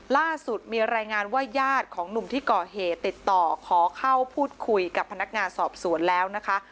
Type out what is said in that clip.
ล่าสุดมีรายงานว่าญาติของหนุ่มที่ก่อเหตุติดต่อขอเข้าพูดคุยกับพนักงานสอบสวนแล้วนะคะ